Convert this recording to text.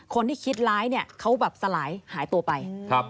คนที่คิดร้ายเขาสลายหายตัวไป